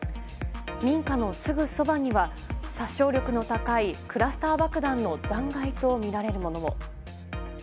民家のすぐそばには殺傷力の高いクラスター爆弾の残骸とみられるものも。